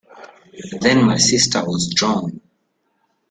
Then my sister was drawn.